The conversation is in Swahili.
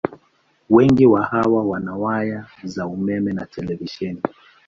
Wengi wa hawa wana waya za umeme na televisheni.